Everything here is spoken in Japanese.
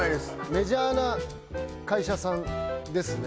メジャーな会社さんですね